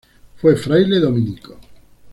Fue fraile dominico.